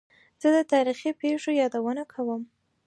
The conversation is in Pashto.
زه د تاریخي پېښو یادونه کوم.